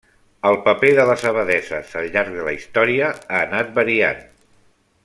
El paper de les abadesses al llarg de la història ha anat variant.